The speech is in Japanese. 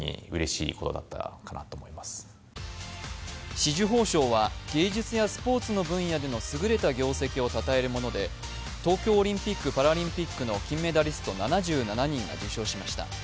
紫綬褒章は芸術やスポーツの分野での優れた業績をたたえるもので、東京オリンピック・パラリンピックの金メダリスト７７人が受章しました。